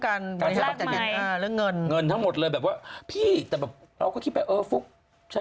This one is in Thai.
อันตนนี้เขาเป็นผู้เชี่ยวชายเรื่องการพรีภาคใหม่